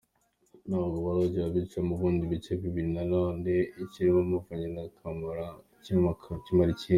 Nabwo barongera bicamo ibindi bice bibiri, na none ikirimo Muvunyi na Kamara kimara ikindi.